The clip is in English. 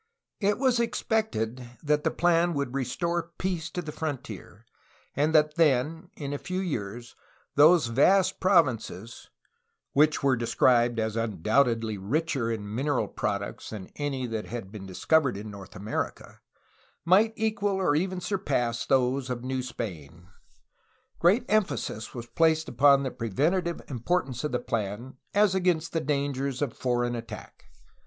It was expected that the plan would restore peace to the frontier and that then in a few years those vast provinces (which were described as undoubtedly richer in mineral products than any 214 A HISTORY OF CALIFORNIA that had been discovered in North America) might equal or even surpass those of New Spain. Great emphasis was placed upon the preventive importance of the plan as against the dangers of foreign attack.